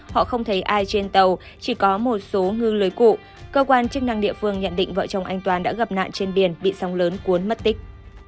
họ không thấy ai trên tàu chỉ có một số ngư lưới cụ cơ quan chức năng địa phương nhận định vợ chồng anh toàn đã gặp nạn trên biển bị sóng lớn cuốn mất tích